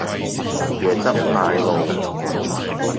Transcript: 椰汁奶露